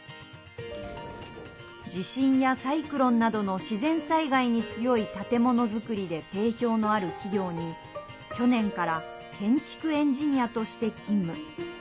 地震やサイクロンなどの自然災害に強い建物作りで定評のある企業に去年から建築エンジニアとして勤務。